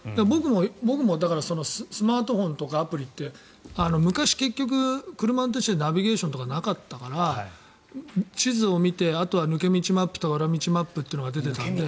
僕もスマートフォンとかアプリって昔、結局、車と一緒でナビゲーションとかなかったから地図を見てあとは抜け道マップとか裏道マップというのが出てたんだけど。